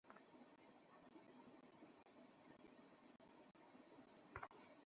আমার রোদে এলার্জি আছে, আমি তো এখানেই থাকব।